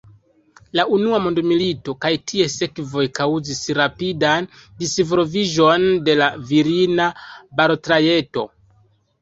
La unua mondmilito kaj ties sekvoj kaŭzis rapidan disvolviĝon de la virina balotrajto.